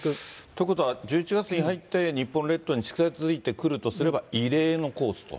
ということは、１１月に入って日本列島に近づいてくるとすれば、異例のコースと。